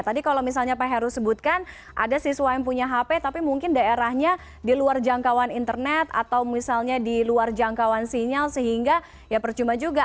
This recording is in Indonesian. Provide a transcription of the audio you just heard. tadi kalau misalnya pak heru sebutkan ada siswa yang punya hp tapi mungkin daerahnya di luar jangkauan internet atau misalnya di luar jangkauan sinyal sehingga ya percuma juga